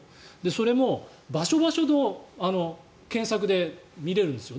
それも場所場所の検索で見れるんですよ。